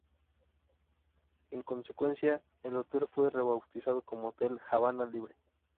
En consecuencia, el hotel fue rebautizado como Hotel Habana Libre.